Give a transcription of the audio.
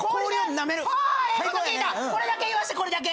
これだけ言わしてこれだけ。